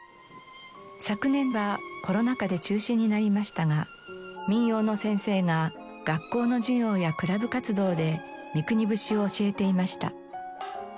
昨年はコロナ禍で中止になりましたが民謡の先生が学校の授業やクラブ活動で『三国節』を教えていました。